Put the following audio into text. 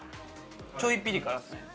ちょいピリ辛ですね。